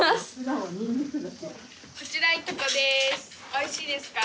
おいしいですか？